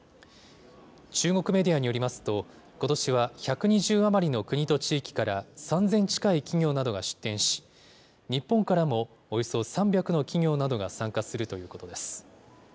中国メディアによりますと、ことしは１２０余りの国と地域から、３０００近い企業などが出展し、日本からもおよそ３００の企業などが参加するということです。